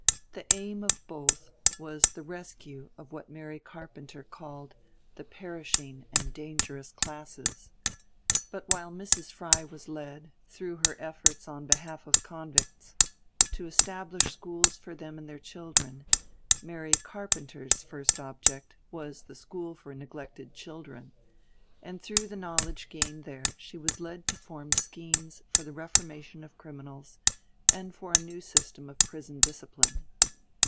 The aim of both was the rescue of what Mary Carpenter called "the perishing and dangerous classes." But while Mrs. Fry was led, through her efforts on behalf of convicts, to establish schools for them and their children, Mary Carpenter's first object was the school for neglected children, and through the knowledge gained there she was led to form schemes for the reformation of criminals and for a new system of prison discipline.